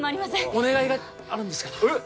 お願いがあるんですけどえっ